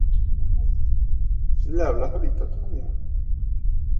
Se le ha incluido en diversas antologías.